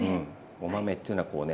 お豆っていうのはこうね